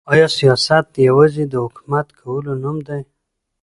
آیا سیاست یوازي د حکومت کولو نوم دی؟